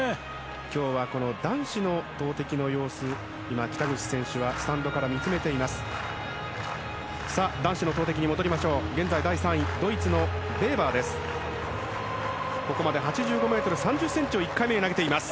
今日は男子の投てきの様子を北口選手はスタンドから見つめています。